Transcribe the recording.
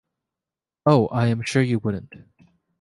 Oh, I am sure you wouldn’t.